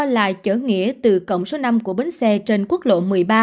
lại chở nghĩa từ cổng số năm của bến xe trên quốc lộ một mươi ba